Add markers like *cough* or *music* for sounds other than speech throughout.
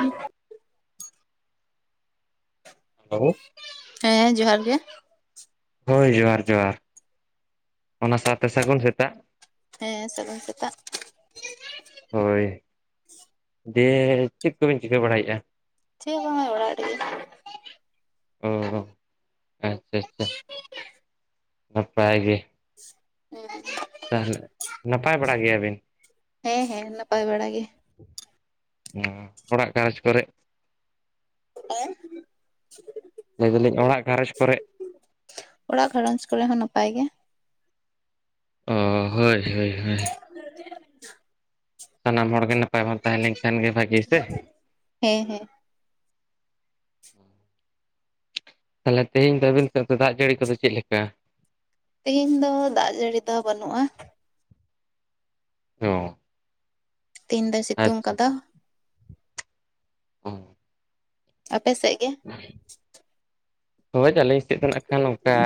ᱚ *inaudible* ᱦᱮᱞᱳ ᱦᱮᱸ ᱡᱚᱦᱟᱨ ᱜᱮ᱾ ᱦᱳᱭ ᱡᱚᱦᱟᱨ ᱡᱚᱦᱟᱨ᱾ ᱚᱱᱟ ᱥᱟᱶᱛᱮ ᱥᱟᱹᱜᱩᱱ ᱥᱮᱛᱟᱜ᱾ ᱦᱮᱸ ᱥᱟᱹᱜᱩᱱ ᱥᱮᱛᱟᱜ᱾ ᱦᱳᱭ ᱫᱮᱻ ᱪᱮᱫ ᱠᱚᱵᱤᱱ ᱪᱤᱠᱟᱹ ᱵᱟᱲᱟᱭᱮᱫᱼᱟ? ᱪᱮᱫ ᱦᱚᱸ ᱵᱟᱝᱟ ᱚᱲᱟᱜ ᱨᱮᱜᱮ᱾ ᱚ ᱟᱪᱷᱟ ᱟᱪᱷᱟ ᱱᱟᱯᱟᱭ ᱜᱮ᱾ ᱦᱮᱸ ᱛᱟᱦᱚᱞᱮ ᱱᱟᱯᱟᱭ ᱵᱟᱲᱟ ᱜᱮᱭᱟ ᱵᱤᱱ? ᱦᱮᱸ ᱦᱮᱸ ᱱᱟᱯᱟᱭ ᱵᱟᱲᱟ ᱜᱮ᱾ ᱩᱸ ᱚᱲᱟᱜ ᱜᱷᱟᱨᱚᱸᱡᱽ ᱠᱚᱨᱮᱜ ᱞᱟᱹᱭ ᱫᱟᱞᱤᱧ ᱚᱲᱟᱜ ᱜᱷᱟᱨᱚᱸᱡᱽ ᱠᱚᱨᱮᱜ ᱚᱲᱟᱜ ᱜᱷᱟᱨᱚᱸᱡᱽ ᱠᱚᱨᱮ ᱦᱚᱸ ᱱᱟᱯᱟᱭ ᱜᱮ᱾ ᱚ ᱦᱳᱭ ᱦᱳᱭ ᱦᱳᱭ᱾ ᱥᱟᱱᱟᱢ ᱦᱚᱲ ᱜᱮ ᱱᱟᱯᱟᱭ ᱵᱚᱱ ᱛᱟᱦᱮᱸ ᱞᱮᱱᱠᱷᱟᱱ ᱜᱮ ᱵᱷᱟᱹᱜᱤ ᱥᱮ᱾ ᱦᱮᱸ ᱦᱮᱸ᱾ ᱛᱟᱦᱚᱞᱮ ᱛᱮᱦᱮᱧ ᱫᱚ ᱟᱹᱵᱤᱱ ᱥᱮᱫ ᱫᱚ ᱫᱟᱜ ᱡᱟᱹᱲᱤ ᱠᱚᱫᱚ ᱪᱮᱫ ᱞᱮᱠᱟ? ᱛᱤᱦᱤᱧ ᱫᱚ ᱫᱟᱜ ᱡᱟᱹᱲᱤ ᱫᱚ ᱵᱟᱹᱱᱩᱜᱼᱟ᱾ ᱚ᱾ ᱛᱮᱦᱤᱧ ᱫᱚᱭ ᱥᱤᱛᱩᱝ ᱟᱪᱪᱷᱟ ᱠᱟᱫᱟ᱾ *inaudible* ᱟᱯᱮ ᱥᱮᱜ ᱜᱮ? ᱦ *unintelligible* ᱦᱳᱭ ᱟᱹᱞᱤᱮᱧ ᱪᱮᱫ ᱫᱚ ᱱᱟᱸᱜ ᱠᱷᱟᱱ ᱚᱱᱠᱟ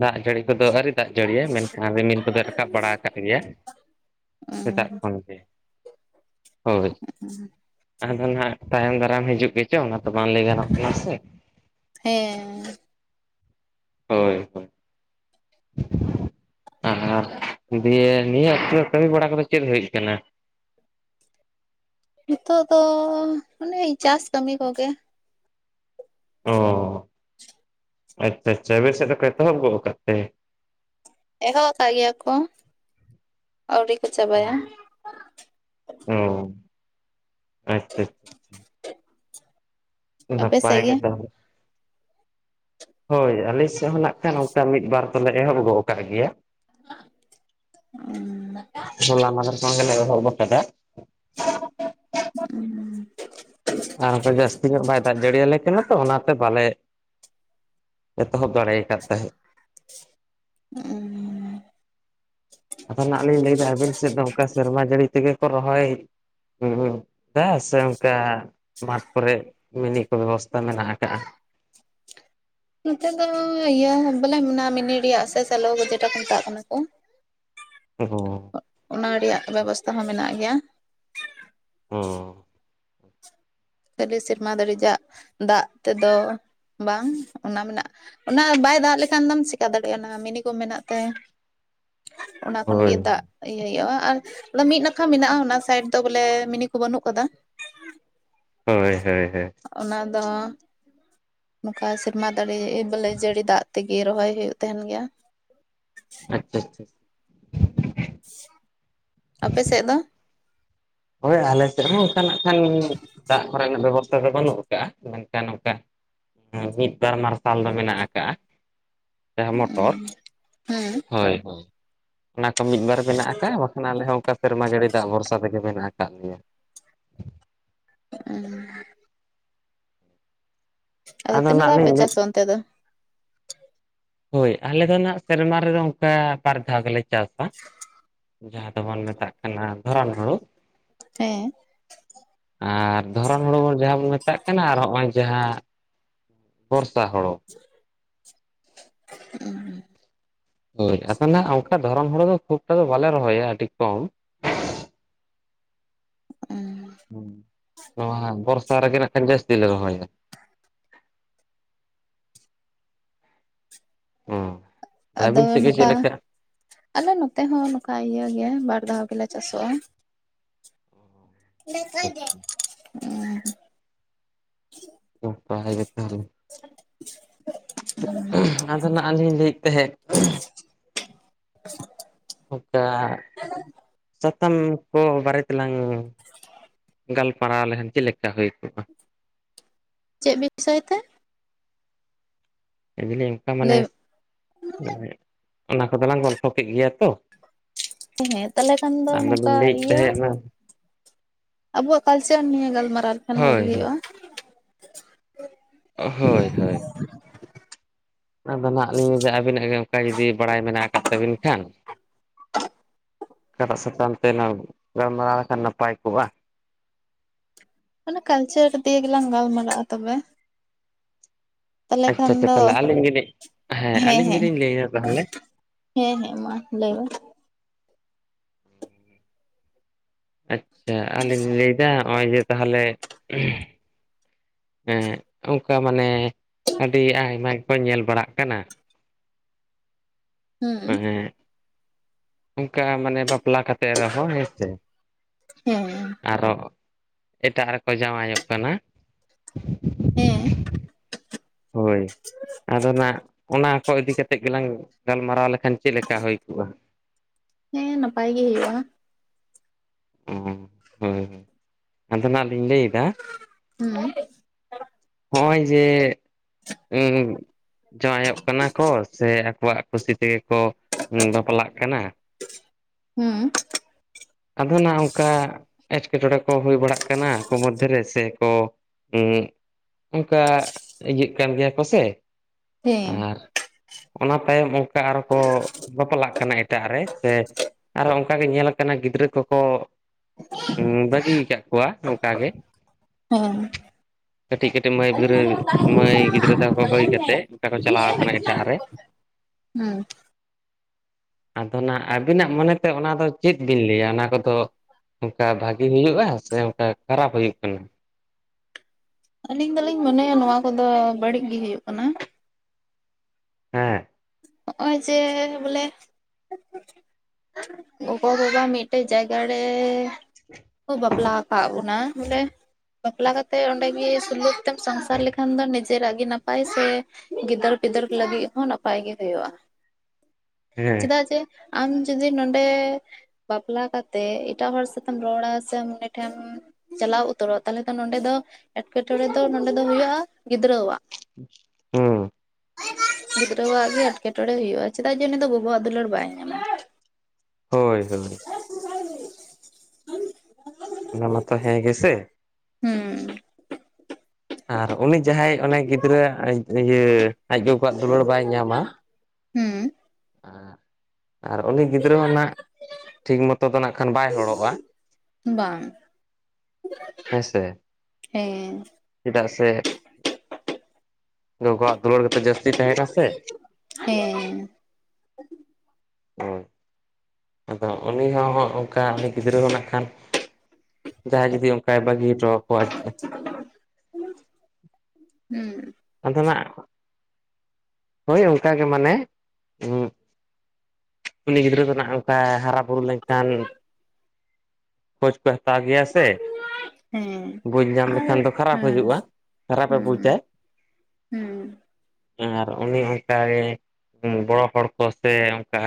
ᱫᱟᱜ ᱡᱟᱹᱲᱤ ᱠᱚᱫᱚ ᱟᱹᱣᱨᱤ ᱫᱟᱜ ᱡᱟᱹᱲᱤᱭᱟᱭ, ᱢᱮᱱᱠᱷᱟᱱ ᱨᱤᱢᱤᱞ ᱠᱚᱫᱚᱭ ᱨᱟᱠᱟᱵ ᱵᱟᱲᱟ ᱠᱟᱜ ᱜᱮᱭᱟ᱾ ᱥᱮᱛᱟᱜ ᱠᱷᱚᱱ ᱜᱮ ᱦᱳᱭ᱾ ᱟᱫᱚ ᱱᱟᱦᱟᱸᱜ ᱛᱟᱭᱚᱢ ᱫᱟᱨᱟᱢ ᱦᱤᱡᱩᱜ ᱜᱮ ᱪᱚᱝ ᱟᱫᱚ ᱵᱟᱝ ᱞᱟᱹᱭ ᱜᱟᱱᱚᱜ ᱠᱟᱱᱟ ᱥᱮ, ᱦᱮᱸ᱾ ᱦᱳᱭ ᱦᱳᱭ᱾ ᱟᱨ ᱫᱟᱹᱭ ᱱᱤᱭᱟᱹ ᱚᱠᱛᱮ ᱨᱮ ᱠᱟᱹᱢᱤ ᱵᱟᱲᱟ ᱠᱚᱫᱚ ᱪᱮᱫ ᱦᱩᱭᱩᱜ ᱠᱟᱱᱟ? ᱱᱤᱛᱚᱜ ᱫᱚ ᱚᱱᱮ ᱪᱟᱥ ᱠᱟᱹᱢᱤ ᱠᱚᱜᱮ᱾ ᱚ ᱟᱪᱷᱟ ᱟᱪᱷᱟ ᱟᱵᱤᱱ ᱥᱮᱫ ᱫᱚᱠᱚ ᱮᱛᱚᱦᱚᱵ ᱜᱚᱫ ᱠᱟᱫ ᱛᱮ? ᱮᱦᱚᱵ ᱠᱟᱜ ᱜᱮᱭᱟ ᱠᱚ ᱟᱹᱣᱨᱤ ᱠᱚ ᱪᱟᱵᱟᱭᱟ᱾ ᱚ᱾ ᱟᱪᱪᱷᱟ ᱟᱪᱪᱷᱟ *inaudible* ᱟᱯᱮ ᱥᱮᱫ ᱱᱟᱯᱟᱭ ᱜᱮ ᱛᱟᱦᱞᱮ᱾ ᱦᱳᱭ ᱟᱹᱞᱤᱧ ᱥᱮᱫ ᱦᱚᱸ ᱱᱟᱸᱜ ᱠᱷᱟᱱ ᱚᱱᱠᱟ ᱢᱤᱫ ᱵᱟᱨ ᱫᱚᱞᱮ ᱮᱦᱚᱵ ᱜᱚᱜ ᱠᱟᱜ ᱜᱮᱭᱟ᱾ ᱩᱸ᱾ ᱦᱚᱞᱟ ᱢᱟᱫᱷᱮᱨ ᱠᱷᱚᱱ ᱜᱮᱞᱮ ᱮᱦᱚ ᱵᱚᱜ ᱠᱟᱫᱟ᱾ ᱩᱸ᱾ ᱟᱨ ᱚᱱᱠᱟ ᱡᱟᱹᱥᱛᱤ ᱧᱚᱜ ᱵᱟᱭ ᱫᱟᱜ ᱡᱟᱹᱲᱤ ᱟᱞᱮ ᱠᱟᱱᱟ ᱛᱚ ᱚᱱᱟᱛᱮ ᱵᱟᱞᱮ ᱮᱛᱚᱦᱚᱵ ᱫᱟᱲᱮᱭᱟᱜ ᱠᱟᱛ ᱛᱟᱦᱮᱸᱫ᱾ ᱩᱸ᱾ ᱟᱫᱚ ᱱᱟᱸᱜ ᱞᱤᱧ ᱞᱟᱹᱭᱫᱟ ᱟᱵᱮᱱ ᱥᱮᱫ ᱫᱚ ᱱᱚᱝᱠᱟ ᱥᱮᱨᱢᱟ ᱡᱟᱹᱲᱤ ᱛᱮᱜᱮ ᱠᱚ ᱨᱚᱦᱚᱭ *inaudible* ᱫᱟ ᱥᱮ ᱚᱱᱠᱟ ᱵᱟᱸᱫ ᱠᱚᱨᱮᱜ ᱢᱤᱱᱤ ᱠᱚ ᱵᱮᱵᱚᱥᱛᱟ ᱢᱮᱱᱟᱜ ᱠᱟᱜᱼᱟ᱾ ᱱᱚᱛᱮ ᱫᱚ ᱤᱭᱟᱹ ᱵᱚᱞᱮ ᱢᱮᱱᱟᱜᱼᱟ ᱢᱤᱱᱤ ᱨᱮᱭᱟᱜ ᱥᱮ ᱥᱟᱞᱳ ᱵᱟ ᱡᱮᱴᱟ ᱠᱚ ᱢᱮᱛᱟᱜ ᱠᱟᱱᱟ ᱠᱚ᱾ ᱚᱦᱚ᱾ ᱚᱱᱟ ᱨᱮᱭᱟᱜ ᱵᱮᱵᱚᱥᱛᱟ ᱦᱚᱸ ᱢᱮᱱᱟᱜ ᱜᱮᱭᱟ᱾ ᱚ᱾ ᱠᱷᱟᱹᱞᱤ ᱥᱮᱨᱢᱟ ᱫᱟᱹᱲᱤ ᱡᱟᱜ ᱫᱟᱜ ᱛᱮᱫᱚ ᱵᱟᱝ ᱚᱱᱟ ᱢᱮᱱᱟᱜ ᱚᱱᱟ ᱵᱟᱭ ᱫᱟᱜ ᱞᱮᱠᱷᱟᱱ ᱫᱚᱢ ᱪᱤᱠᱟ ᱫᱟᱲᱮᱭᱟᱜᱼᱟ ᱚᱱᱟ ᱢᱤᱱᱤ ᱠᱚ ᱢᱮᱱᱟᱜ ᱛᱮ ᱚᱱᱟ ᱠᱷᱚᱱ ᱦᱳᱭ ᱜᱮ ᱫᱟᱜ ᱤᱭᱟᱹ ᱦᱩᱭᱩᱜᱼᱟ ᱟᱨ ᱢᱤᱫ ᱱᱟᱠᱷᱟ ᱢᱮᱱᱟᱜᱼᱟ ᱚᱱᱟ ᱥᱟᱭᱤᱰ ᱫᱚ ᱵᱚᱞᱮ ᱢᱤᱱᱤ ᱠᱚ ᱵᱟᱹᱱᱩᱜ ᱠᱟᱫᱟ᱾ ᱦᱳᱭ ᱦᱳᱭ ᱦᱳᱭ᱾ ᱚᱱᱟ ᱫᱚ ᱱᱚᱝᱠᱟ ᱥᱮᱨᱢᱟ ᱫᱟᱹᱲᱤ ᱵᱚᱞᱮ ᱡᱟᱹᱲᱤ ᱫᱟᱜ ᱛᱮᱜᱮ ᱨᱚᱦᱚᱭ ᱦᱩᱭᱩᱜ ᱛᱟᱦᱮᱸᱱ ᱜᱮᱭᱟ᱾ ᱟᱪᱪᱷᱟ, ᱟᱪᱪᱷᱟ ᱟᱯᱮ ᱥᱮᱫ ᱫᱚ? ᱦᱳᱭ ᱟᱞᱮ ᱥᱮᱫ ᱦᱚᱸ ᱚᱱᱠᱟ ᱱᱟᱜ ᱚᱱᱠᱟᱱᱟᱜ ᱠᱷᱟᱱ ᱫᱟᱜ ᱠᱚᱨᱮ ᱱᱟᱜ ᱵᱮᱵᱚᱥᱛᱷᱟ ᱫᱚ ᱵᱟᱹᱱᱩᱜ ᱟᱠᱟᱜᱼᱟ, ᱢᱮᱱᱠᱷᱟᱱ ᱱᱚᱱᱠᱟ ᱮ ᱢᱤᱫ ᱵᱟᱨ ᱢᱟᱨᱥᱟᱞ ᱫᱚ ᱢᱮᱱᱟᱜ ᱟᱠᱟᱜᱼᱟ ᱡᱟᱦᱟᱸ ᱢᱚᱴᱚᱨ ᱦᱮᱸ ᱦᱳᱭ, ᱦᱳᱭ, ᱚᱱᱟ ᱠᱚ ᱢᱤᱫ ᱵᱟᱨ ᱢᱮᱱᱟᱜ ᱟᱠᱟᱜᱼᱟ ᱵᱟᱠᱷᱟᱱ ᱟᱞᱮ ᱦᱚᱸ ᱚᱱᱠᱟ ᱥᱮᱨᱢᱟ ᱡᱟᱹᱲᱤ ᱫᱟᱜ ᱵᱷᱚᱨᱥᱟ ᱛᱮᱜᱮ ᱢᱮᱱᱟᱜ ᱟᱠᱟᱫ ᱞᱮᱭᱟ᱾ *unintelligible* ᱟᱫᱚ ᱛᱤᱱᱟᱹᱜ ᱱᱟᱜ ᱫᱷᱟᱣ ᱯᱮ ᱞᱤᱧ ᱞᱟᱹᱭ ᱪᱟᱥᱟ ᱚᱱᱛᱮ ᱫᱚ᱾ ᱦᱳᱭ ᱟᱞᱮ ᱫᱚ ᱦᱟᱸᱜ ᱥᱮᱨᱢᱟ ᱨᱮᱫᱚ ᱚᱱᱠᱟ ᱵᱟᱨ ᱫᱷᱟᱣ ᱜᱮᱞᱮ ᱪᱟᱥᱟᱺ ᱡᱟᱦᱟᱸ ᱫᱚᱵᱚᱱ ᱢᱮᱛᱟᱜ ᱠᱟᱱᱟ ᱫᱷᱚᱨᱚᱱ ᱦᱩᱬᱳ ᱦᱮᱸ ᱟᱨ ᱫᱷᱚᱨᱚᱱ ᱦᱩᱬᱩ ᱡᱟᱦᱟᱸ ᱵᱚᱱ ᱢᱮᱛᱟᱜ ᱠᱟᱱᱟ ᱟᱨ ᱦᱚᱸᱜᱼᱚᱭ ᱡᱟᱦᱟᱸ ᱵᱚᱨᱥᱟ ᱦᱳᱲᱳ, *inaudible* *unintelligible* ᱦᱳᱭ ᱴ ᱟᱚᱞᱮ ᱱᱟᱸᱜ ᱚᱱᱠᱟ ᱫᱷᱚᱨᱚᱢ ᱦᱳᱲᱳ ᱫᱚ ᱠᱷᱩᱸᱵᱴᱟ ᱫᱚ ᱵᱟᱞᱮ ᱨᱚᱦᱚᱭᱟ ᱟᱹᱰᱤ ᱠᱚᱢ, ᱱᱚᱣᱟ ᱵᱚᱨᱥᱟ ᱨᱮᱜᱮ ᱱᱟᱸᱜ ᱠᱷᱟᱱ ᱡᱟᱹᱥᱛᱤ ᱞᱮ ᱨᱚᱦᱚᱭᱟ ᱦᱩᱸ ᱟᱫᱚ ᱟᱹᱵᱤᱱ ᱥᱮᱫ ᱜᱮ ᱪᱮᱫ ᱱᱚᱝᱠᱟ ᱞᱮᱠᱟ ᱟᱞᱮ ᱱᱚᱛᱮ ᱦᱚᱸ ᱱᱚᱝᱠᱟ ᱤᱭᱟᱹ ᱜᱮ ᱵᱟᱨ ᱫᱷᱟᱣ ᱜᱮᱞᱮ ᱪᱟᱥᱚᱜᱼᱟ᱾ *unintelligible* *unintelligible* *unintelligible* ᱜᱮ ᱛᱟᱦᱚᱞᱮ᱾ ᱟᱫᱚ ᱱᱟᱜ ᱞᱤᱧ ᱞᱟᱹᱭᱮᱫ ᱛᱟᱦᱮᱸᱫ᱾ ᱚᱱᱠᱟ ᱪᱟᱛᱚᱢ ᱠᱚ ᱵᱟᱨᱮ ᱛᱮᱞᱟᱝ ᱜᱟᱞᱢᱟᱨᱟᱣ ᱞᱮᱠᱷᱟᱱ ᱪᱮᱫ ᱞᱮᱠᱟ ᱦᱩᱭ ᱠᱚᱜᱼᱟ? ᱪᱮᱫ ᱵᱤᱵᱥᱚᱭ ᱛᱮ? ᱞᱟᱹᱫᱟᱤᱧ ᱚᱱᱠᱟ ᱢᱟᱱᱮ ᱞᱟᱹᱭ ᱚᱱᱟ ᱠᱚᱫᱚᱞᱟᱝ ᱜᱚᱞᱯᱷᱚ ᱠᱮᱫ ᱜᱮᱭᱟ ᱛᱚ, ᱦᱮᱸ ᱛᱟᱦᱚᱞᱮ ᱠᱷᱟᱱ ᱫᱚ ᱟᱫᱚ ᱱᱚᱝᱠᱟ ᱞᱤᱧ ᱞᱟᱹᱭᱮᱫ ᱤᱭᱟᱹ ᱛᱟᱦᱮᱸᱫ ᱱᱟ ᱟᱵᱚᱣᱟᱜ ᱠᱟᱞᱪᱟᱨ ᱱᱤᱭᱮ ᱜᱟᱞᱢᱟᱨᱟᱣ ᱞᱮᱠᱷᱟᱱ ᱵᱷᱟᱜᱤ ᱦᱳᱭ ᱦᱳᱭ ᱦᱩᱭᱩᱜᱼᱟ᱾ ᱚ ᱦᱳᱭ, ᱦᱳᱭ, ᱟᱫᱚ ᱱᱟᱸᱜ ᱞᱤᱧ ᱞᱟᱹᱭᱫᱟ ᱟᱹᱵᱤᱱᱟᱜ ᱜᱮ ᱚᱱᱠᱟ ᱡᱩᱫᱤ ᱵᱟᱲᱟᱭ ᱢᱮᱱᱟᱜ ᱟᱠᱟᱫ ᱛᱟᱹᱵᱤᱱ ᱠᱷᱟᱱ? ᱚᱠᱟᱴᱟᱜ ᱥᱟᱠᱟᱢ ᱛᱮᱞᱟᱝ ᱜᱚᱞᱢᱟᱨᱟᱣ ᱞᱮᱠᱷᱟᱱ ᱱᱟᱯᱟᱭ ᱠᱚᱜᱼᱟ? ᱚᱱᱟ ᱠᱟᱞᱪᱟᱨ ᱫᱤᱭᱮ ᱜᱮᱞᱟᱝ ᱜᱟᱞᱢᱟᱨᱟᱜᱼᱟ ᱛᱚᱵᱮ, ᱛᱟᱦᱚᱞᱮ ᱟᱪᱪᱷᱟ, ᱠᱷᱟᱱ ᱟᱪᱪᱷᱟ, ᱫᱚ ᱛᱟᱦᱚᱞᱮ ᱟᱹᱞᱤᱧ ᱜᱮᱞᱤᱧ ᱦᱮᱸ ᱟᱹᱞᱤᱧ ᱜᱮᱞᱤᱧ ᱞᱟᱹᱭᱱᱟ ᱛᱟᱦᱚᱞᱮ? ᱦᱮᱸ, ᱦᱮᱸ, ᱢᱟ ᱞᱟᱹᱭ ᱢᱮ᱾ ᱟᱪᱪᱷᱟ ᱟᱹᱞᱤᱧ ᱞᱟᱹᱭᱫᱟ ᱱᱚᱜᱼᱚᱭ ᱡᱮ ᱛᱟᱦᱚᱞᱮ ᱦᱮᱸ ᱚᱱᱠᱟ ᱢᱟᱱᱮ ᱟᱹᱰᱤ ᱟᱭᱢᱟ ᱜᱮᱠᱚ ᱧᱮᱞ ᱵᱟᱲᱟᱜ ᱠᱟᱱᱟ, ᱦᱩᱸ, ᱦᱮᱸ, ᱚᱱᱠᱟ ᱢᱟᱱᱮ ᱵᱟᱯᱞᱟ ᱠᱟᱛᱮᱜ ᱨᱮᱦᱚᱸ ᱦᱮᱸ ᱥᱮ, ᱦᱮᱸ ᱟᱨᱚᱸ ᱮᱴᱟᱜ ᱨᱮᱠᱚ ᱡᱟᱶᱟᱭᱚᱜ ᱠᱟᱱᱟ᱾ ᱦᱮᱸ, ᱦᱳᱭ, ᱟᱫᱚ ᱱᱟᱸᱜ ᱚᱱᱟ ᱠᱚ ᱤᱫᱤ ᱠᱟᱛᱮᱫ ᱜᱮᱞᱟᱝ ᱜᱟᱞᱢᱟᱨᱟᱣ ᱞᱮᱠᱷᱟᱱ ᱪᱮᱫ ᱞᱮᱠᱟ ᱦᱩᱸᱭ ᱠᱚᱜᱼᱟ? ᱦᱮᱸ ᱱᱟᱯᱟᱭ ᱜᱮ ᱦᱩᱭᱩᱜᱼᱟ᱾ ᱚ ᱦᱳᱭ ᱟᱫᱚ ᱱᱟᱜᱞᱤᱧ ᱞᱟᱹᱭᱫᱟ ᱦᱩᱸ ᱦᱚᱸᱜᱼᱚᱭ ᱡᱮ ᱩᱸ ᱡᱟᱶᱟᱭᱚᱜ ᱠᱟᱱᱟ ᱠᱚ ᱥᱮ ᱟᱠᱚᱣᱟᱜ ᱠᱩᱥᱤ ᱛᱮᱜᱮ ᱠᱚ ᱵᱟᱯᱞᱟᱜ ᱠᱟᱱᱟ᱾ ᱦᱩᱸ ᱟᱫᱚ ᱱᱟᱜ ᱚᱝᱠᱟ ᱮᱸᱴᱠᱮᱴᱚᱬᱮ ᱠᱚ ᱦᱩᱭ ᱵᱟᱲᱟᱜ ᱠᱟᱱᱟ ᱟᱠᱚ ᱢᱚᱫᱽᱫᱷᱮ ᱨᱮ ᱥᱮ ᱠᱚ ᱩ ᱚᱝᱠᱟ ᱤᱭᱟᱹᱜ ᱠᱟᱱ ᱜᱮᱭᱟ ᱠᱚ ᱥᱮ ᱦᱮᱸ ᱟᱨ ᱚᱱᱟ ᱛᱟᱭᱚᱢ ᱚᱝᱠᱟ ᱟᱨᱚ ᱠᱚ ᱵᱟᱯᱞᱟᱜ ᱠᱟᱱᱟ ᱮᱴᱟᱜ ᱨᱮ ᱥᱮ ᱟᱨᱚ ᱚᱝᱠᱟᱜᱮ ᱧᱮᱞ ᱠᱟᱱᱟ ᱜᱤᱫᱽᱨᱟᱹ ᱠᱚᱠᱚ ᱵᱟᱹᱜᱤᱭ ᱠᱟᱜ ᱠᱚᱣᱟ ᱱᱚᱝᱠᱟ ᱜᱮ᱾ ᱦᱮᱸ ᱴᱤᱡ ᱠᱟᱹᱴᱤᱡ ᱢᱟᱹᱭ ᱵᱤᱫᱽᱨᱟᱹ ᱢᱟᱹᱭ ᱜᱤᱫᱽᱨᱟᱹ ᱛᱟᱠᱚ ᱠᱚ ᱵᱟᱹᱜᱤ ᱠᱟᱛᱮᱜ ᱚᱝᱠᱟ ᱠᱚ ᱪᱟᱞᱟᱣ ᱠᱟᱱᱟ ᱮᱴᱟᱜ ᱨᱮ᱾ ᱦᱩᱸ ᱟᱫᱚᱱᱟᱜ ᱟᱹᱵᱤᱱᱟᱜ ᱢᱚᱱᱮᱛᱮ ᱚᱱᱟ ᱫᱚ ᱪᱮᱫ ᱵᱤᱱ ᱞᱟᱹᱭᱟ? ᱚᱱᱟ ᱠᱚᱫᱚ ᱚᱝᱠᱟ ᱵᱷᱟᱜᱤ ᱦᱩᱭᱩᱜᱼᱟ ᱥᱮ ᱚᱝᱠᱟ ᱠᱷᱟᱨᱟᱯ ᱦᱩᱭᱩᱜ ᱠᱟᱱᱟ? ᱟᱹᱞᱤᱧ ᱫᱚᱞᱤᱧ ᱢᱚᱱᱮ ᱦᱮᱸ ᱱᱚᱣᱟ ᱠᱚᱫᱚ ᱵᱟᱹᱲᱤᱡ ᱜᱮ ᱦᱩᱭᱩᱜ ᱠᱟᱱᱟ᱾ ᱦᱮᱸ ᱚᱸᱭ ᱡᱮ ᱵᱚᱞᱮ ᱜᱚᱜᱚᱼᱵᱟᱵᱟ ᱢᱤᱫᱴᱮᱡ ᱡᱟᱭᱜᱟ ᱲᱮ ᱠᱚ ᱵᱟᱯᱞᱟᱣ ᱠᱟᱜ ᱵᱚᱱᱟ ᱵᱚᱞᱮ ᱵᱟᱯᱞᱟ ᱠᱟᱛᱮᱜ ᱚᱸᱰᱮ ᱜᱮ ᱥᱩᱞᱩᱠ ᱛᱮᱢ ᱥᱚᱝᱥᱟᱨ ᱞᱮᱠᱷᱟᱱ ᱫᱚ ᱱᱤᱡᱮᱨᱟᱜ ᱜᱮ ᱱᱟᱯᱟᱭ ᱥᱮ ᱜᱤᱫᱟᱹᱨ ᱯᱤᱫᱟᱹᱨ ᱞᱟᱹᱜᱤᱜ ᱦᱚᱸ ᱱᱟᱯᱟᱭ ᱜᱮ ᱦᱩᱭᱩᱜᱼᱟ᱾ ᱦᱮᱸ ᱪᱮᱫᱟᱜ ᱡᱮ ᱟᱢ ᱡᱩᱫᱤ ᱱᱚᱸᱰᱮ ᱵᱟᱯᱞᱟ ᱠᱟᱛᱮᱜ ᱮᱴᱟᱜ ᱦᱚᱲ ᱥᱟᱛᱮᱢ ᱨᱚᱲᱟ ᱥᱮ ᱩᱱᱤ ᱴᱷᱮᱢ ᱪᱟᱞᱟᱣ ᱩᱛᱟᱹᱨᱚᱜᱼᱟ ᱛᱟᱞᱦᱮ ᱛᱚ ᱱᱚᱸᱰᱮ ᱫᱚ ᱮᱸᱴᱠᱮᱴᱚᱬᱮ ᱫᱚ ᱱᱚᱸᱰᱮ ᱫᱚ ᱦᱩᱭᱩᱜᱼᱟ ᱜᱤᱫᱽᱨᱟᱹᱣᱟᱜ᱾ *inaudible* ᱜᱤᱫᱽᱨᱟᱹᱣᱟᱜ ᱜᱮ ᱮᱴᱠᱮ ᱴᱚᱬᱮ ᱦᱩᱭᱩᱜᱼᱟ, ᱪᱮᱫᱟᱜ ᱡᱮ ᱩᱱᱤ ᱫᱚ ᱜᱚᱜᱚᱣᱟᱜ ᱫᱩᱞᱟᱹᱲ ᱵᱟᱭ ᱧᱟᱢᱟ᱾ ᱦᱳᱭ ᱦᱳᱭ *inaudible* ᱚᱱᱟ ᱢᱟᱛᱚ ᱦᱮᱸ ᱜᱮ ᱥᱮ᱾ ᱦᱩᱸ ᱟᱨ ᱩᱱᱤ ᱡᱟᱦᱟᱸᱭ ᱚᱱᱮ ᱜᱤᱫᱽᱨᱟᱹᱣᱟᱜ ᱤᱭᱟᱹ ᱟᱡ ᱜᱚᱜᱚᱣᱟᱜ ᱫᱩᱞᱟᱹᱲ ᱵᱟᱭ ᱧᱟᱢᱟ ᱦᱩᱸ *inaudible* ᱟᱨ ᱩᱱᱤ ᱜᱤᱫᱽᱨᱟᱹ ᱦᱚᱸ ᱱᱟᱜ ᱴᱷᱤᱠ ᱢᱚᱛᱚ ᱫᱚ ᱱᱟᱜᱠᱷᱟᱱ ᱵᱟᱭ ᱦᱚᱲᱚᱜᱼᱟ᱾ ᱵᱟᱝ᱾ ᱦᱮᱸᱥᱮ ᱦᱮᱸ ᱪᱮᱫᱟᱜ ᱥᱮ ᱜᱚᱜᱚᱣᱟᱜ ᱫᱩᱞᱟᱹᱲ ᱜᱮᱛᱚ ᱡᱟᱹᱥᱛᱤ ᱛᱟᱦᱮᱱᱟ ᱥᱮ᱾ ᱦᱮᱸ ᱦᱳᱭ ᱟᱫᱚ ᱩᱱᱤ ᱦᱚᱸ ᱦᱚᱸᱜ ᱚᱝᱠᱟ ᱩᱱᱤ ᱜᱤᱫᱽᱨᱟᱹ ᱦᱚᱸ ᱱᱟᱜᱠᱷᱟᱱ ᱡᱟᱦᱟᱸᱭ ᱡᱩᱫᱤ ᱚᱝᱠᱟᱭ ᱵᱟᱹᱜᱤ ᱦᱚᱴᱚᱣ ᱠᱚᱣᱟ ᱡᱮ ᱦᱩᱸ ᱟᱫᱚ ᱱᱟᱜ ᱦᱳᱭ ᱚᱝᱠᱟᱜᱮ ᱢᱟᱱᱮ ᱩᱸ ᱩᱱᱤ ᱜᱤᱫᱽᱨᱟᱹ ᱫᱚ ᱱᱟᱜ ᱚᱝᱠᱟᱭ ᱦᱟᱨᱟ ᱵᱩᱨᱩ ᱞᱮᱱᱠᱷᱟᱱ ᱠᱷᱳᱡ ᱠᱳᱭ ᱦᱟᱛᱟᱣ ᱜᱮᱭᱟ ᱥᱮ? ᱦᱮᱸ ᱵᱩᱡᱽ ᱧᱟᱢ ᱟᱨ ᱞᱮᱠᱷᱟᱱ ᱫᱚ ᱠᱷᱟᱨᱟᱯ ᱦᱮᱸ ᱦᱩᱭᱩᱜ-ᱟ ᱠᱷᱟᱨᱟᱯᱮ ᱵᱩᱡᱟᱭ᱾ ᱦᱩᱸᱢ, ᱟᱨ ᱩᱱᱤ ᱚᱱᱠᱟᱜᱮ ᱵᱚᱲᱚ ᱦᱚᱲ ᱠᱚ ᱥᱮ ᱚᱱᱠᱟ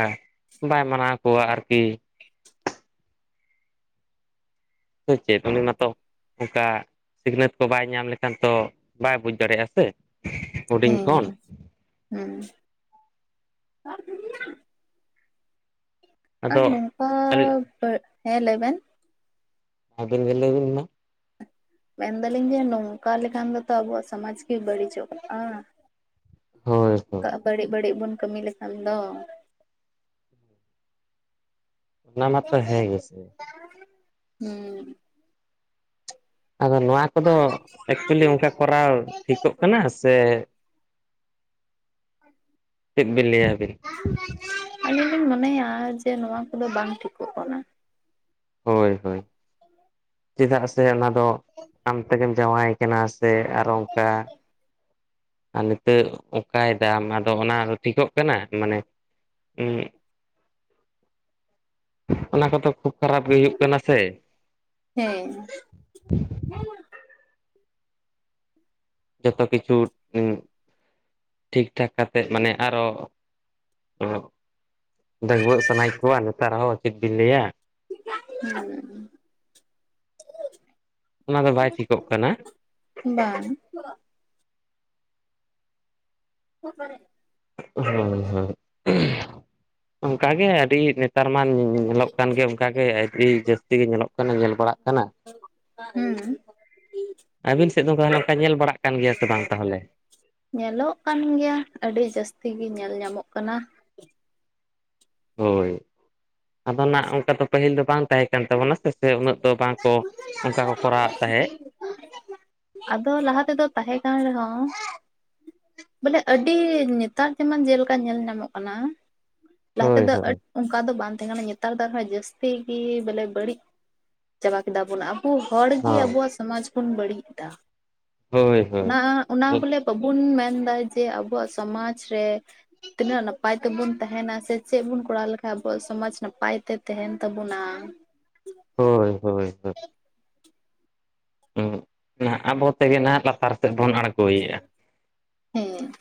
ᱵᱟᱭ ᱢᱟᱱᱟᱣ ᱠᱚᱣᱟ ᱟᱨᱠᱤ ᱥᱮ ᱪᱮᱫ ᱩᱱᱤ ᱢᱟᱛᱚ᱾ ᱚᱝᱠᱟ ᱥᱤᱠᱷᱱᱟᱹᱛ ᱠᱚ ᱵᱟᱭ ᱧᱟᱢ ᱞᱮᱠᱷᱟᱱ ᱛᱚ ᱵᱟᱭ ᱵᱩᱡᱽ ᱫᱟᱲᱮᱭᱟᱜ-ᱟ ᱥᱮ ᱦᱩᱰᱤᱧ ᱠᱷᱚᱱ᱾ ᱦᱩᱸ, ᱟᱨ ᱟᱫᱚ ᱱᱚᱝᱠᱟ ᱯᱟᱨ, ᱦᱮᱸ ᱞᱟᱹᱭ ᱵᱮᱱ? ᱟᱵᱤᱱ ᱜᱮ ᱞᱟᱹᱭ ᱵᱤᱱ ᱢᱟ? ᱢᱮᱱᱫᱟᱞᱤᱧ ᱡᱮ ᱱᱚᱝᱠᱟ ᱞᱮᱠᱷᱟᱱ ᱫᱚᱛᱚ ᱟᱵᱚᱣᱟᱜ ᱥᱚᱢᱟᱡᱽ ᱜᱮ ᱵᱟᱹᱲᱤᱡᱚᱜ-ᱟ᱾ ᱦᱳᱭ ᱦᱳᱭ ᱠᱟᱜ ᱵᱟᱹᱲᱤᱡ ᱵᱟᱹᱲᱤᱡ ᱵᱚᱱ ᱠᱟᱹᱢᱤ ᱞᱮᱠᱷᱟᱱ ᱫᱚ᱾ ᱚᱱᱟ ᱢᱟᱛᱚ ᱦᱮᱸ ᱜᱮᱥᱮ᱾ ᱦᱩᱸ, ᱟᱫᱚ ᱱᱚᱣᱟ ᱠᱚᱫᱚ ᱮᱠᱪᱩᱭᱮᱞᱤ ᱚᱝᱠᱟ ᱠᱚᱨᱟᱣ ᱴᱷᱤᱠᱚᱜ ᱠᱟᱱᱟ ᱥᱮ ᱪᱮᱫ ᱵᱤᱱ ᱞᱟᱹᱭᱟ ᱟᱵᱤᱱ? ᱟᱹᱞᱤᱧ ᱞᱤᱧ ᱢᱚᱱᱮᱭᱟ ᱡᱮ ᱱᱚᱣᱟ ᱠᱚᱫᱚ ᱵᱟᱝ ᱴᱷᱤᱠᱚᱜ ᱠᱟᱱᱟ᱾ ᱦᱳᱭ, ᱦᱳᱭ, *inaudible* ᱪᱮᱫᱟᱜ ᱥᱮ ᱚᱱᱟ ᱫᱚ ᱟᱢ ᱛᱮᱜᱮᱢ ᱡᱟᱶᱟᱭ ᱠᱟᱱᱟ ᱥᱮ ᱟᱨᱚ ᱚᱝᱠᱟ ᱟᱨ ᱱᱤᱛᱟᱹᱜ ᱚᱝᱠᱟᱭ ᱫᱟᱢ ᱟᱫᱚ ᱚᱱᱟ ᱴᱷᱤᱠᱚᱜ ᱠᱟᱱᱟ? ᱢᱟᱱᱮ ᱮᱸᱜ ᱚᱱᱟ ᱠᱚᱫᱚ ᱠᱷᱩᱵᱽ ᱠᱷᱟᱨᱟᱯ ᱜᱮ ᱦᱩᱭᱩᱜ ᱠᱟᱱᱟ ᱥᱮ᱾ ᱦᱮᱸ *inaudible* ᱡᱚᱛᱚ ᱠᱤᱪᱷᱩ ᱴᱷᱤᱠ ᱴᱷᱟᱠ ᱠᱟᱛᱮᱫ ᱢᱟᱱᱮ ᱟᱨᱚ ᱰᱟᱹᱜᱩᱣᱟᱹᱜ ᱥᱟᱱᱟᱭᱮᱫ ᱠᱚᱣᱟ᱾ ᱱᱮᱛᱟᱨ ᱦᱚᱸ ᱪᱮᱫ ᱵᱤᱱ ᱞᱟᱹᱭᱟ? ᱦᱩᱸ, ᱚᱱᱟ ᱫᱚ ᱵᱟᱭ ᱴᱷᱤᱠᱚᱜ ᱠᱟᱱᱟ ᱵᱟᱝ, *inaudible* ᱦᱳᱭ ᱦᱳᱭ ᱚᱝᱠᱟ ᱜᱮ ᱟᱹᱰᱤ ᱱᱮ ᱛᱟᱨ ᱢᱟ ᱧᱮᱞᱚᱜ ᱠᱟᱱ ᱜᱮ ᱚᱝᱠᱟᱜᱮ ᱟᱰᱤ ᱡᱟᱹᱥᱛᱤ ᱜᱮ ᱧᱮᱞᱚᱜ ᱠᱟᱱᱟ ᱧᱮᱞ ᱵᱟᱲᱟᱜ ᱠᱟᱱᱟ᱾ ᱦᱩᱸ, ᱟᱹᱵᱤᱱ ᱥᱮᱫ ᱫᱚ ᱩᱝᱠᱟ ᱛᱟᱦᱞᱮ ᱧᱮᱞ ᱵᱟᱲᱟᱜ ᱠᱟᱱ ᱜᱮᱭᱟ ᱥᱮ ᱵᱟᱝ ᱛᱟᱦᱚᱞᱮ? ᱧᱮᱞᱚᱜ ᱠᱟᱱ ᱜᱮᱭᱟ ᱟᱹᱰᱤ ᱡᱟᱥᱛᱤ ᱜᱤ ᱧᱮᱞ ᱧᱟᱢᱚᱜ ᱠᱟᱱᱟ᱾ ᱦᱳᱭ, ᱟᱫᱚ ᱱᱟᱜ ᱚᱱᱠᱟ ᱫᱚ ᱯᱟᱹᱦᱤᱞ ᱫᱚ ᱵᱟᱝ ᱛᱟᱦᱮᱸ ᱠᱟᱱ ᱛᱟᱵᱚᱱᱟ ᱥᱮ, ᱥᱮ ᱩᱱᱟᱹᱜ ᱫᱚ ᱵᱟᱝᱠᱚ ᱚᱱᱠᱟ ᱠᱚ ᱠᱚᱨᱟᱣᱮᱫ ᱛᱟᱦᱮᱸᱫ, ᱟᱫᱚ ᱞᱟᱦᱟ ᱛᱮᱫᱚ ᱛᱟᱦᱮᱸ ᱠᱟᱱ ᱨᱮᱦᱚᱸ ᱵᱚᱞᱮ ᱟᱹᱰᱤ ᱧᱮᱛᱟᱨ ᱡᱮᱢᱚᱱ ᱡᱮᱞᱮᱠᱟ ᱧᱮᱞ ᱧᱟᱢᱚᱜ ᱠᱟᱱᱟ ᱞᱟᱦᱟ ᱦᱳᱭ ᱛᱮᱫᱚ ᱦᱳᱭ ᱟᱰ ᱚᱝᱠᱟ ᱫᱚ ᱵᱟᱝ ᱛᱟᱦᱮᱸ ᱠᱟᱱᱟ ᱧᱮᱛᱟᱨ ᱫᱚ ᱟᱨᱦᱚᱸ ᱡᱟᱹᱥᱛᱤ ᱜᱤ ᱵᱚᱞᱮ ᱵᱟᱹᱲᱤᱡ ᱪᱟᱵᱟ ᱠᱮᱫᱟ ᱵᱚᱞᱮ᱾ ᱩᱝᱠᱩ ᱦᱚᱲ ᱜᱮ ᱦᱳᱭ ᱟᱵᱚᱣᱟᱜ ᱥᱚᱢᱟᱡᱽ ᱵᱚᱱ ᱵᱟᱹᱲᱤᱡ ᱮᱫᱟ᱾ ᱦᱳᱭ ᱚᱱᱟ ᱚᱱᱟ ᱦᱳᱭ ᱵᱚᱞᱮ ᱵᱟᱵᱩᱱ ᱢᱮᱱᱫᱟ ᱡᱮ ᱟᱵᱚᱣᱟᱜ ᱥᱚᱢᱟᱡ ᱨᱮ ᱛᱤᱱᱟᱹᱜ ᱱᱟᱯᱟᱭ ᱛᱮᱵᱩᱱ ᱛᱟᱦᱮᱸᱱᱟ ᱥᱮ ᱪᱮᱫ ᱵᱚᱱ ᱠᱚᱨᱟᱣ ᱞᱮᱠᱷᱟᱱ ᱟᱵᱩᱣᱟᱜ ᱥᱚᱢᱟᱡ ᱱᱟᱯᱟᱭ ᱛᱮ ᱛᱟᱦᱮᱸᱱ ᱛᱟᱵᱩᱱᱟ᱾ ᱦᱳᱭ, ᱦᱳᱭ, ᱦᱳᱭ, ᱟᱵᱚ ᱛᱮᱜᱮ ᱱᱟᱦᱟᱜ ᱞᱟᱛᱟᱨ ᱥᱮᱫ ᱵᱚᱱ ᱟᱬᱜᱚᱭᱮᱜ-ᱟ᱾ ᱦᱩᱹ,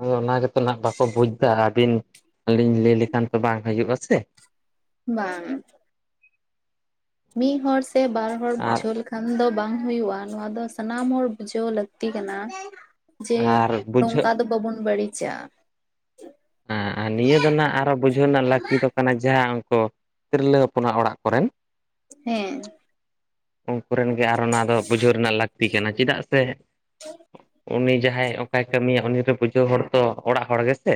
ᱟᱫᱚ ᱚᱱᱟ ᱜᱮᱛᱚ ᱱᱟᱜ ᱵᱟᱠᱚ ᱵᱩᱡ ᱮᱫᱟ ᱟᱹᱵᱤᱱ ᱟᱹᱞᱤᱧ ᱞᱟᱹᱭ ᱞᱮᱠᱷᱟᱱ ᱛᱚ ᱵᱟᱝ ᱦᱩᱭᱩᱜ-ᱟ ᱥᱮ, ᱵᱟᱝ, ᱢᱤᱫ ᱦᱚᱲ ᱥᱮ ᱵᱟᱨ ᱦᱚᱲ ᱟᱨ ᱡᱷᱟᱹᱞ ᱠᱷᱟᱱ ᱫᱚ ᱵᱟᱝ ᱦᱩᱭᱩᱜ-ᱟ ᱱᱚᱣᱟ ᱫᱚ ᱥᱟᱱᱟᱢ ᱦᱚᱲ ᱵᱩᱡᱷᱟᱹᱣ ᱞᱟᱹᱠᱛᱤ ᱠᱟᱱᱟ, ᱡᱮ ᱟᱨ ᱱᱩᱝᱠᱟ ᱵᱩᱡᱷᱟᱹᱜ ᱫᱚ ᱵᱟᱵᱩᱱ ᱵᱟᱹᱲᱤᱡᱟ᱾ ᱟᱨ ᱱᱤᱭᱟᱹ ᱫᱚ ᱱᱟᱜ ᱟᱨᱚ ᱵᱩᱡᱷᱟᱹᱣ ᱨᱮᱱᱟᱜ ᱞᱟᱹᱠᱛᱤ ᱫᱚ ᱠᱟᱱᱟ ᱡᱟᱦᱟᱸ ᱩᱱᱠᱩ ᱛᱤᱨᱞᱟᱹ ᱦᱚᱯᱚᱱᱟᱜ ᱚᱲᱟᱜ ᱠᱚᱨᱮᱱ, ᱦᱮᱸ, ᱩᱝᱠᱩ ᱨᱮᱱ ᱜᱮ ᱟᱨᱚ ᱚᱱᱟ ᱫᱚ ᱵᱩᱡᱷᱟᱹᱣ ᱨᱮᱱᱟᱜ ᱞᱟᱠᱛᱤ ᱠᱟᱱᱟ᱾ ᱪᱮᱫᱟᱜ ᱥᱮ ᱩᱱᱤ ᱡᱟᱦᱟᱸᱭ ᱚᱱᱠᱟᱭ ᱠᱟᱹᱢᱤᱭᱟ ᱩᱱᱤ ᱫᱚ ᱵᱩᱡᱷᱟᱹᱣ ᱦᱚᱲ ᱛᱚ ᱚᱲᱟᱜ ᱚᱲᱟᱜ ᱜᱮᱥᱮ,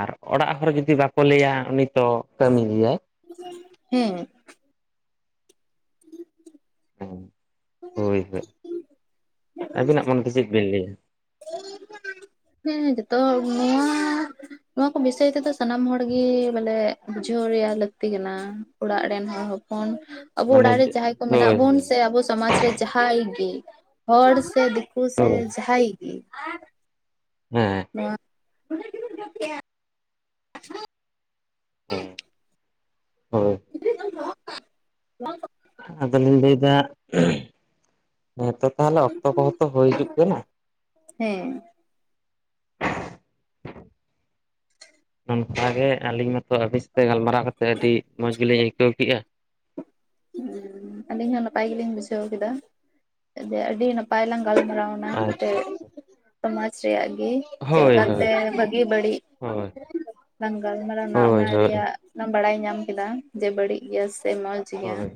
ᱟᱨ ᱚᱲᱟᱜ ᱦᱚᱲ ᱡᱩᱫᱤ ᱵᱟᱠᱚ ᱞᱟᱹᱭᱟ ᱩᱱᱤ ᱛᱚ ᱠᱟᱹᱢᱤ ᱜᱮᱭᱟᱭ, ᱦᱮᱸ, ᱦᱮᱸ, ᱦᱳᱭ, ᱦᱳᱭ, ᱟᱹᱵᱤᱱᱟᱜ ᱢᱚᱱᱮᱛᱮ ᱪᱮᱫ ᱵᱤᱱ ᱞᱟᱹᱭᱟ? *inaudible* *inaudible* ᱦᱮᱸ ᱡᱚᱛᱚ ᱱᱚᱣᱟ ᱱᱚᱣᱟ ᱠᱚ ᱵᱤᱥᱚᱭ ᱛᱮᱫᱚ ᱥᱟᱱᱟᱢ ᱦᱚᱲᱜᱤ ᱵᱟᱞᱮ ᱵᱩᱡᱷᱟᱹᱣ ᱨᱮᱭᱟᱜ ᱞᱟᱹᱠᱛᱤ ᱠᱟᱱᱟ? ᱚᱲᱟᱜ ᱨᱮᱱ ᱦᱚᱲ ᱦᱚᱯᱚᱱ, ᱟᱵᱩ ᱢᱟᱱᱮ ᱚᱲᱟᱜ ᱨᱮ ᱡᱟᱦᱟᱸᱭ ᱠᱚ ᱢᱮᱱᱟᱜ ᱦᱳᱭ ᱵᱚᱱ ᱦᱳᱭ ᱥᱮ ᱟᱵᱚ ᱥᱚᱢᱟᱡ ᱨᱮ ᱡᱟᱦᱟᱸᱭ ᱜᱤ ᱦᱚᱲ ᱥᱮ ᱫᱤᱠᱩ ᱥᱮ ᱡᱟᱦᱟᱸᱭ ᱜᱤ ᱦᱮᱸ, ᱱᱚᱣᱟ, ᱦᱮᱸ *inaudible* ᱦᱳᱭ, *inaudible* ᱟᱫᱚᱞᱤᱧ ᱞᱟᱹᱭᱫᱟ ᱦᱮᱸᱛᱚ ᱛᱟᱦᱞᱮ ᱚᱠᱛᱚ ᱠᱚᱦᱚᱸ ᱛᱚ ᱦᱳᱭ ᱦᱤᱡᱩᱜ ᱠᱟᱱᱟ, ᱦᱮᱸ, ᱚᱱᱠᱟ ᱜᱮ ᱟᱞᱤᱧ ᱢᱟᱛᱚ ᱟᱵᱤᱱ ᱥᱟᱛᱮ ᱜᱟᱞᱢᱟᱨᱟᱣ ᱠᱟᱛᱮᱜ ᱟᱹᱰᱤ ᱢᱚᱸᱡᱽ ᱜᱮᱞᱤᱧ ᱟᱹᱭᱠᱟᱹᱣ ᱠᱮᱜᱼᱟ᱾ ᱦᱩᱸ, ᱟᱞᱤᱧ ᱦᱚᱸ ᱱᱟᱯᱟᱭ ᱜᱮᱞᱤᱧ ᱵᱩᱡᱷᱟᱹᱣ ᱠᱮᱫᱟ, ᱡᱮ ᱟᱹᱰᱤ ᱱᱟᱯᱟᱭ ᱞᱟᱝ ᱜᱟᱞᱢᱟᱨᱟᱣᱱᱟ᱾ ᱚᱱᱟ ᱟᱪᱪᱷᱟ ᱢᱮᱫᱴᱮᱡ ᱟᱪᱪᱷᱟ ᱥᱚᱢᱟᱡᱽ ᱨᱮᱭᱟᱜ ᱜᱤ ᱪᱮᱫ ᱦᱳᱭ ᱦᱳᱭ ᱞᱮᱠᱟᱛᱮ ᱵᱷᱟᱹᱜᱤ ᱵᱟᱹᱲᱤᱡ ᱦᱳᱭ ᱞᱟᱝ ᱜᱟᱞᱢᱟᱨᱟᱣ ᱦᱳᱭ ᱚᱱᱟ ᱦᱳᱭ ᱨᱮᱭᱟᱜ ᱚᱱᱟ ᱵᱟᱲᱟᱭ ᱧᱟᱢ ᱠᱮᱫᱟ ᱡᱮ ᱵᱟᱹᱲᱤᱡ ᱜᱮᱭᱟ ᱥᱮ ᱢᱚᱸᱡᱽ, ᱜᱮᱭᱟ ᱦᱳᱭ,